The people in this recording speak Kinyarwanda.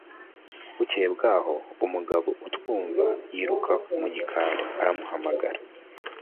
bukeye bwaho, umugabo utumva, yiruka mu gikari, aramuhamagara